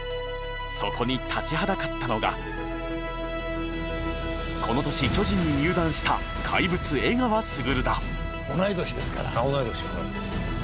そこに立ちはだかったのがこの年巨人に入団した怪物江川卓だ。